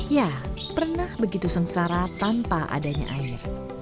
ya pernah begitu sengsara tanpa adanya air